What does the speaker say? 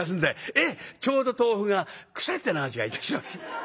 「ええちょうど豆腐が腐ったような味がいたします」。